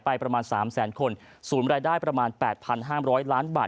ไปประมาณสามแสนคนสูญรายได้ประมาณแปดพันห้ามร้อยล้านบาท